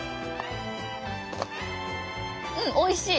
うんおいしい。